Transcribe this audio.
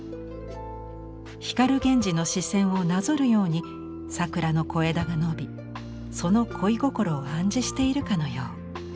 光源氏の視線をなぞるように桜の小枝が伸びその恋心を暗示しているかのよう。